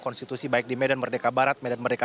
konstitusi baik di medan merdeka barat medan merdeka